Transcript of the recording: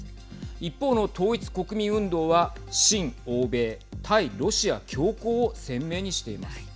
一方の統一国民運動は親欧米、対ロシア強硬を鮮明にしています。